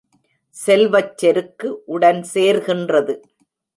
செல்வச் செருக்கு உடன் சேர்கின்றது.